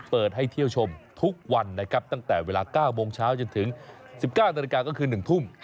เปิดให้เที่ยวชมทุกวันนะครับตั้งแต่เวลา๙โมงเช้าจนถึง๑๙นาฬิกาก็คือ๑ทุ่ม